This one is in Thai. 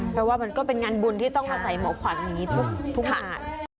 เพราะว่ามันก็เป็นงานบุญที่ต้องอาศัยหมอขวัญอย่างนี้ทุกงาน